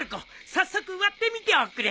早速割ってみておくれ。